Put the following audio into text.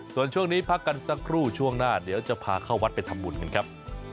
ส่วนช่วงนี้พักกันสักครู่ช่วงหน้าเดี๋ยวจะพาเข้าวัดไปทำบุญกันครับ